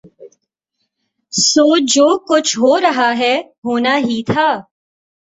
سو جو کچھ ہورہاہے ہونا ہی تھا۔